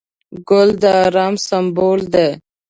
ګل د ارام سمبول دی.